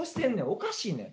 おかしいねん。